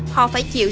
họ phải chịu